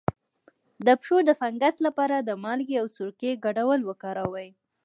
د پښو د فنګس لپاره د مالګې او سرکې ګډول وکاروئ